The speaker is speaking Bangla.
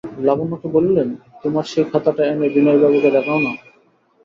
লাবণ্যকে বলিলেন, তোমার সেই খাতাটা এনে বিনয়বাবুকে দেখাও-না।